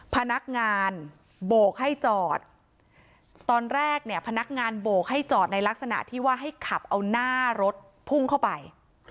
พนักงานโบกให้จอดตอนแรกเนี่ยพนักงานโบกให้จอดในลักษณะที่ว่าให้ขับเอาหน้ารถพุ่งเข้าไป